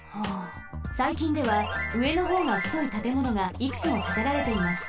さいきんではうえのほうがふといたてものがいくつもたてられています。